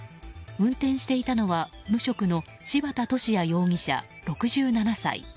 運転していたのは無職の柴田敏也容疑者、６７歳。